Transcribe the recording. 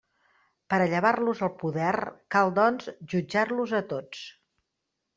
Per a llevar-los el poder, cal, doncs, jutjar-los a tots.